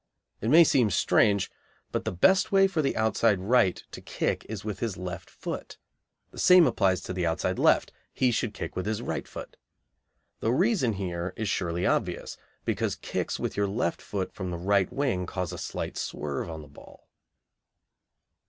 It may seem strange, but the best way for the outside right to kick is with his left foot. The same applies to the outside left; he should kick with his right foot. The reason here is surely obvious, because kicks with your left foot from the right wing cause a slight swerve on the ball.